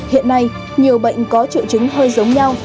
hiện nay nhiều bệnh có triệu chứng hơi giống nhau